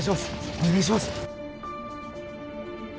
お願いします！